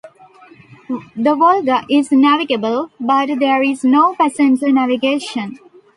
The Volga is navigable, but there is no passenger navigation.